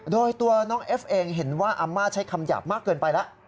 โดยตัวน้องเอฟเองเห็นว่าอาม่าใช้คำหยาบมากเกินไปแล้ว